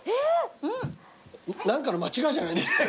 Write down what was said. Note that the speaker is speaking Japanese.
何かの間違いじゃないんですか？